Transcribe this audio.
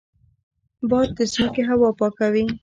باد د ځمکې هوا پاکوي